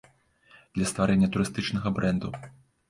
Для стварэння турыстычнага брэнду.